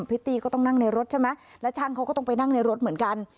ิตตี้ก็ต้องนั่งในรถใช่ไหมแล้วช่างเขาก็ต้องไปนั่งในรถเหมือนกัน